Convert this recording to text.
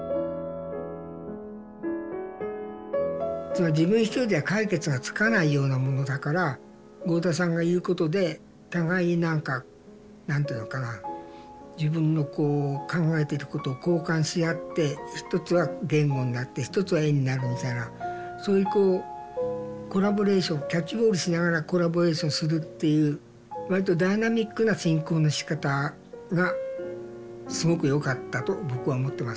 つまり自分一人では解決がつかないようなものだから合田さんがいることで互いに何か何て言うのかな自分のこう考えていることを交換し合って一つは言語になって一つは絵になるみたいなそういうこうコラボレーションキャッチボールしながらコラボレーションするっていうわりとダイナミックな進行のしかたがすごくよかったと僕は思ってますけどね。